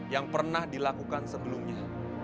yang pernah dilakukan sebelumnya